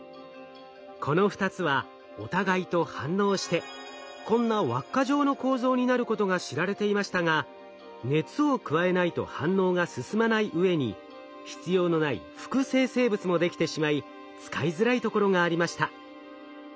この２つはお互いと反応してこんな輪っか状の構造になることが知られていましたが熱を加えないと反応が進まないうえに必要のない副生成物もできてしまい使いづらいところがありました。